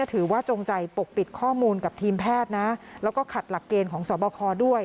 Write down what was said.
จงใจปกปิดข้อมูลกับทีมแพทย์นะแล้วก็ขัดหลักเกณฑ์ของสอบคอด้วย